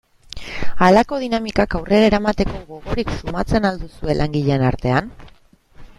Halako dinamikak aurrera eramateko gogorik sumatzen al duzue langileen artean?